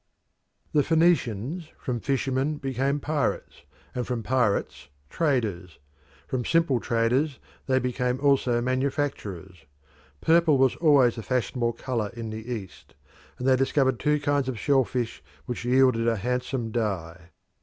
The Phoenicians from fishermen became pirates, and from pirates traders: from simple traders they became also manufacturers. Purple was always the fashionable colour in the East, and they discovered two kinds of shell fish which yielded a handsome dye.